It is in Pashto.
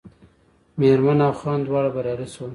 مېرمن او خاوند دواړه بریالي شول.